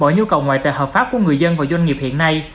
mọi nhu cầu ngoại tệ hợp pháp của người dân và doanh nghiệp hiện nay